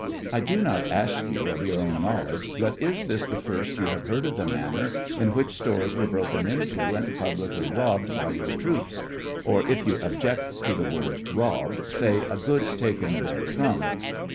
I do not ask you, of your own knowledge, but is this Jihe first you have heard of the manner in which stores were broken into and publicly robbed by your troops ; or if you object to the word " robbed," say "goods taken therefrom?"